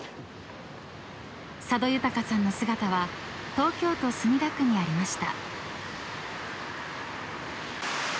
［佐渡裕さんの姿は東京都墨田区にありました］